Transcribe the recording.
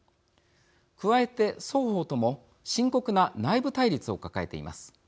加えて、双方とも深刻な内部対立を抱えています。